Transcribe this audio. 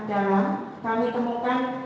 dalam kami temukan